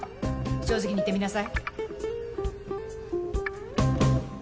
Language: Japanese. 正直に言ってみなさい。